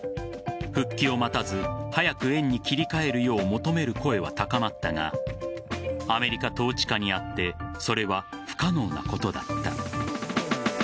復帰を待たず早く円に切り替えるよう求める声は高まったがアメリカ統治下にあってそれは不可能なことだった。